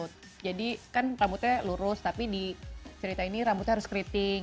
betul jadi kan rambutnya lurus tapi di cerita ini rambutnya harus keriting